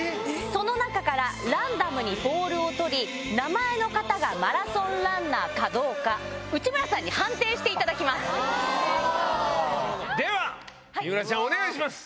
その中からランダムにボールを取り、名前の方がマラソンランナーかどうか、内村さんに判定していただでは水卜ちゃん、お願いします。